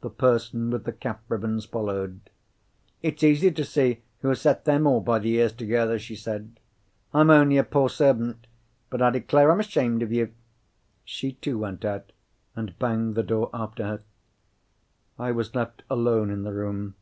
The person with the cap ribbons followed. "It's easy to see who has set them all by the ears together," she said. "I'm only a poor servant—but I declare I'm ashamed of you!" She too went out, and banged the door after her. I was left alone in the room.